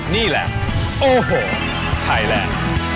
นี่แหละโอ้โหไทยแหล